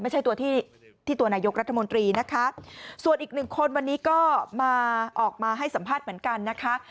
ไม่ใช่ตัวที่ที่ตัวนายกรัฐมนตรีนะคะส่วนอีกหนึ่งคนวันนี้ก็มาออกมาให้สัมภาษณ์เหมือนกันนะคะ